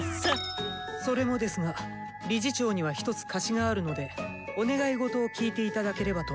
それもですが理事長には一つ貸しがあるのでお願いごとを聞いて頂ければと。